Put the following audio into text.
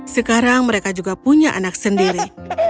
sekarang mereka juga punya anak sendiri